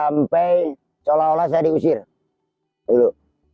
sampai seolah olah saya diusir dulu